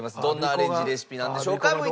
どんなアレンジレシピなんでしょうか？